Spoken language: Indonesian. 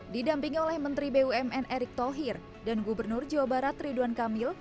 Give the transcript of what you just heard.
didampingi oleh menteri bumn erick thohir dan gubernur jawa barat ridwan kamil